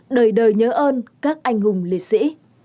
đời đời nhớ ơn các anh hùng liệt sĩ